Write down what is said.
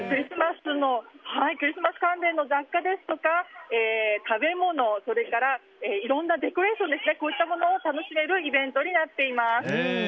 クリスマス関連の雑貨ですとか食べ物それからいろんなデコレーションを楽しめるイベントになっています。